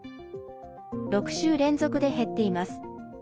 ６週連続で減っています。